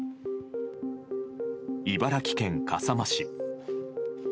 茨城県笠間市。